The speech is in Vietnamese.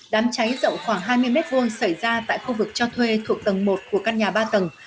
đám cháy rộng khoảng hai mươi m hai xảy ra tại khu vực cho thuê thuộc tầng một của căn nhà ba tầng